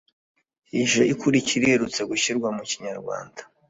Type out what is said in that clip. ije ikurikira iherutse gushyirwa mu Kinyarwanda